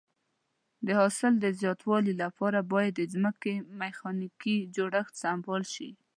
د حاصل د زیاتوالي لپاره باید د ځمکې میخانیکي جوړښت سمبال شي.